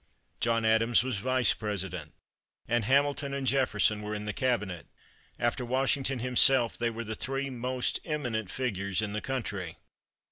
John Adams was Vice President, and Hamilton and Jefferson were in the cabinet. After Washington himself, they were the three most eminent figures in the country.